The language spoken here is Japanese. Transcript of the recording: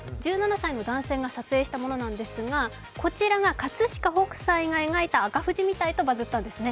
１７歳の男性が撮影したものなんですが、こちらが葛飾北斎が描いた赤富士みたいとバズったんですね。